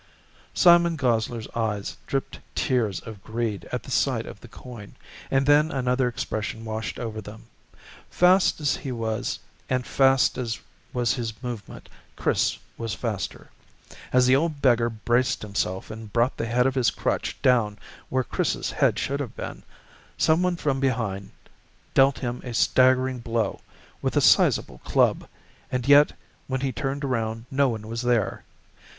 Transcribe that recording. Simon Gosler's eyes dripped tears of greed at the sight of the coin, and then another expression washed over them. Fast as he was and fast as was his movement, Chris was faster. As the old beggar braced himself and brought the head of his crutch down where Chris's head should have been, someone from behind dealt him a staggering blow with a sizable club, and yet when he turned around no one was there.